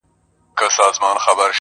او دا چې دغه لښکر به ډيورنډ کرښې ته